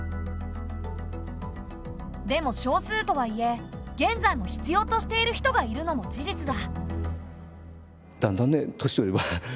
でも少数とはいえ現在も必要としている人がいるのも事実だ。